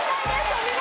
お見事。